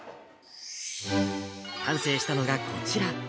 完成したのがこちら。